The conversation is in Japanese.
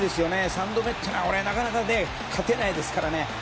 ３度目ってのはなかなか勝てないですからね。